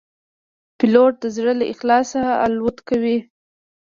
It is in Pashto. پیلوټ د زړه له اخلاصه الوت کوي.